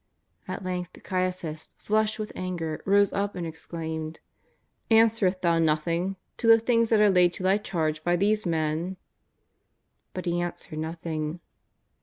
'' At length Caiaphas, flushed wdth anger, rose up and exclaimed : '^Answerest Thou nothing to the things that are laid to Thy charge by these men ?" But He answered nothing.